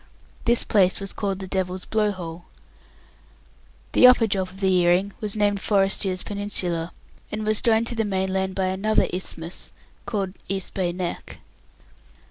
This place was called the Devil's Blow hole. The upper drop of the earring was named Forrestier's Peninsula, and was joined to the mainland by another isthmus called East Bay Neck.